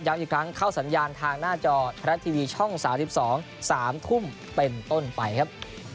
ย้ำอีกครั้งเข้าสัญญาณทางหน้าจอพระราชทีวีช่องสามสิบสองสามทุ่มเป็นต้นไปครับ